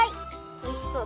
おいしそう。